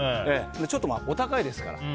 ちょっとお高いですし。